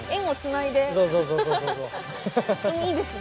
いいですね。